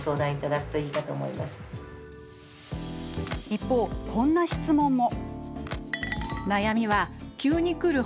一方、こんな質問も。